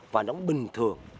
và nó bình thường